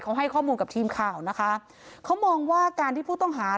เขาให้ข้อมูลกับทีมข่าวนะคะเขามองว่าการที่ผู้ต้องหา